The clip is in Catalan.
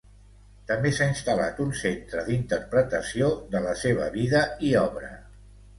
També s'ha instal·lat un centre d'interpretació de la seva vida i obra.